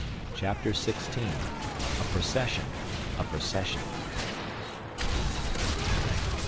CHAPTER XVI "A Procession! A Procession!"